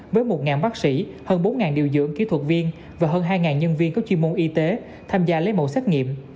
với một bác sĩ hơn bốn điều dưỡng kỹ thuật viên và hơn hai nhân viên có chuyên môn y tế tham gia lấy mẫu xét nghiệm